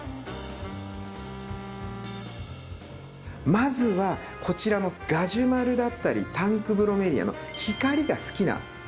まずはこちらのガジュマルだったりタンクブロメリアの光が好きなもの。